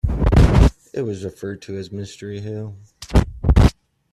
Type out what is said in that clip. It was referred to as "Mystery Hill".